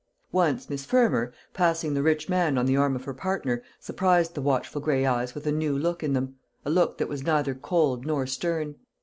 Once Miss Fermor, passing the rich man on the arm of her partner, surprised the watchful gray eyes with a new look in them a look that was neither cold nor stern.